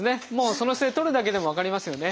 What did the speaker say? その姿勢とるだけでも分かりますよね。